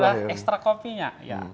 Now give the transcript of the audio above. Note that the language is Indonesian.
kita minum ekstrak kopinya